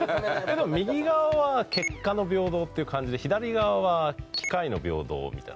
右側は結果の平等っていう感じで左側は機会の平等みたいな。